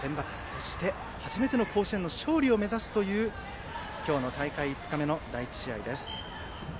そして初めての甲子園の勝利を目指すという今日の大会５日目の第１試合です。